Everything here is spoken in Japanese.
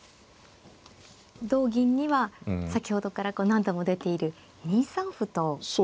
同銀には先ほどから何度も出ている２三歩と打つんですか。